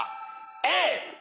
Ａ。